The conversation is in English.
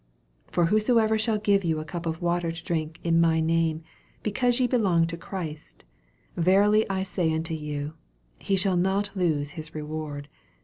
41 For whosoever shall give you a cup of water to drink in my name, because ye belong to Christ, verily I Bay unto you, he shall not lose his reward.